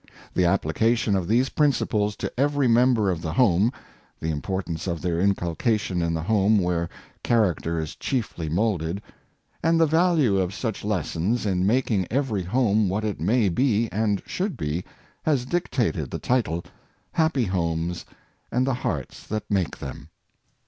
The application of these principles to every member of the home — the importance of their inculcation in the home where character is chiefly molded — and the value of such lessons in making every home what it may be and should be, has dictated the title, " Happy Homes, and the Hearts that Make Them."